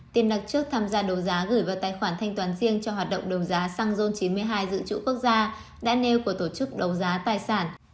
tiền đặt trước tham gia đầu giá gửi vào tài khoản thanh toán riêng cho hoạt động đầu giá xăng ron chín mươi hai dự trữ quốc gia đã nêu của tổ chức đầu giá tài sản